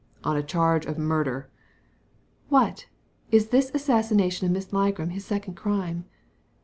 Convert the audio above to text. " On a charge of murder !" "What! Is this assassination of Miss Ligram his second crime